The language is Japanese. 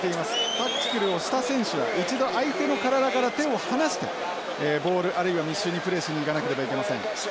タックルをした選手は一度相手の体から手を離してボールあるいは密集にプレーしにいかなければいけません。